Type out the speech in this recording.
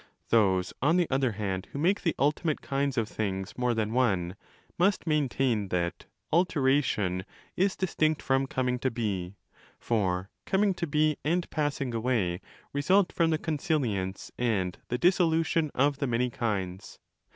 Those, on the other hand, who make the ultimate kinds of s things more than one, must maintain that 'alteration' is distinct from coming to be: for coming to be and passing away result from the consilfence and the dissolution of the many kinds.